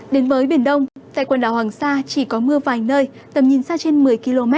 đến với biển đông tại quần đảo hoàng sa chỉ có mưa vài nơi tầm nhìn xa trên một mươi km